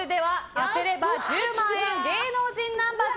当てれば１０万円芸能人ナンバーズ